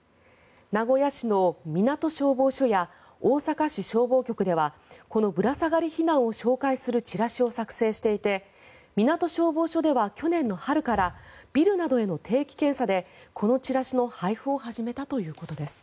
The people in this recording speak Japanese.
名古屋市の港消防署や大阪市消防局ではこのぶら下がり避難を紹介するチラシを作成していて港消防署では去年の春からビルなどへの定期検査でこのチラシの配布を始めたということです。